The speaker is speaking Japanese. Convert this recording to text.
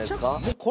これ。